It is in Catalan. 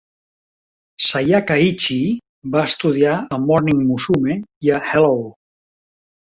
Sayaka Ichii va estudiar a Morning Musume i a Hello!